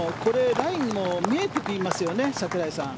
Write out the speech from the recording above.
ラインも見えてきますよね、櫻井さん。